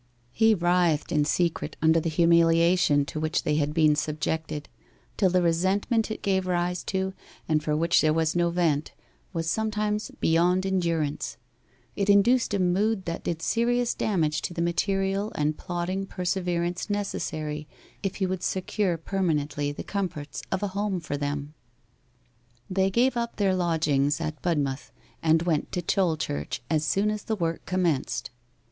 He writhed in secret under the humiliation to which they had been subjected, till the resentment it gave rise to, and for which there was no vent, was sometimes beyond endurance; it induced a mood that did serious damage to the material and plodding perseverance necessary if he would secure permanently the comforts of a home for them. They gave up their lodgings at Budmouth, and went to Tolchurch as soon as the work commenced.